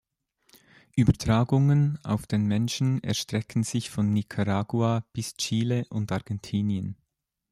Übertragungen auf den Menschen erstrecken sich von Nicaragua bis Chile und Argentinien.